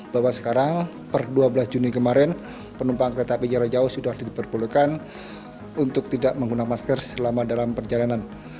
bahwa sekarang per dua belas juni kemarin penumpang kereta api jarak jauh sudah diperbolehkan untuk tidak menggunakan masker selama dalam perjalanan